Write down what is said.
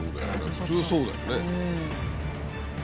普通そうだよね。